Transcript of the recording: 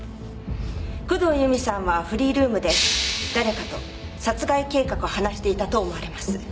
工藤由美さんはフリールームで誰かと殺害計画を話していたと思われます。